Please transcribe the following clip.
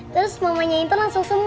terus mamanya intan langsung sembuh pak